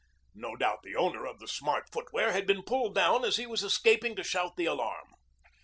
No doubt the owner of the smart footwear had been pulled down as he was escaping to shout the alarm.